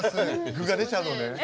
具が出ちゃうのね。